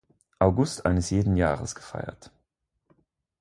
August eines jeden Jahres gefeiert.